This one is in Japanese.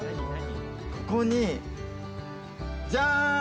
ここにじゃん！